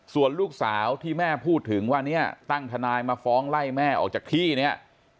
ส่วนลูกสาวที่แม่พูดถึงว่าเนี่ยตั้งทนายมาฟ้องไล่แม่ออกจากที่เนี่ย